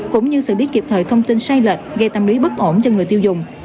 cũng như sự biết kịp thời thông tin sai lệch gây tâm lý bất ổn cho người tiêu dùng